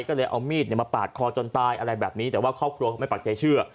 ก็เลยเอามีดมาปาดคอจนตายอะไรแบบนี้แต่ว่าครอบครัวเขาไม่ปักใจเชื่อ